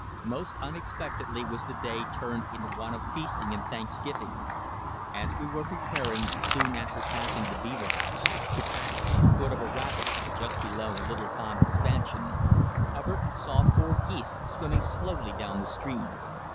Most unexpectedly was the day turned into one of feasting and thanksgiving. As we were preparing, soon after passing the beaver house, to pack at the foot of a rapid just below a little pond expansion, Hubbard saw four geese swimming slowly down the stream.